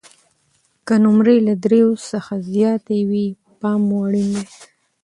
که نمرې له درې څخه زیاتې وي، پام مو اړین دی.